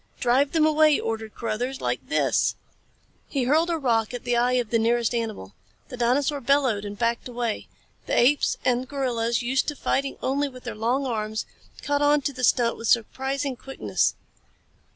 "Drive them away!" ordered Carruthers. "Like this!" He hurled a rock at the eye of the nearest animal. The dinosaur bellowed and backed away. The apes, and gorillas, used to fighting only with their long arms, caught on to the stunt with surprising quickness.